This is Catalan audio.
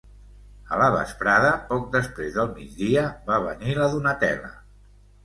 A la vesprada, poc després del migdia, va venir la Donatella.